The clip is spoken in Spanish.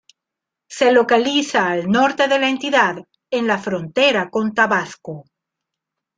Se localiza al norte de la entidad, en la frontera con Tabasco.